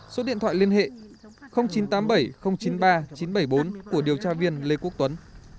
số điện thoại liên hệ chín trăm tám mươi bảy chín mươi ba chín trăm bảy mươi bốn của điều tra viên lê quốc tuấn